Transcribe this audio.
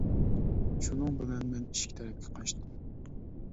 شۇنىڭ بىلەن مەن ئىشىك تەرەپكە قاچتىم.